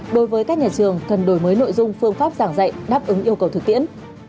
đối với các nhà trường cần đổi mới nội dung phương pháp giảng dạy đáp ứng yêu cầu thực tiễn